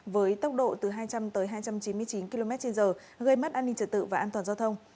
với tốc độ từ hai trăm linh tới hai trăm chín mươi chín km trên giờ gây mất an ninh trật tự và an toàn giao thông